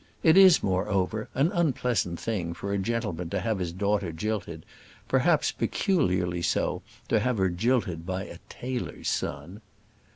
It is, moreover, an unpleasant thing for a gentleman to have his daughter jilted; perhaps peculiarly so to have her jilted by a tailor's son.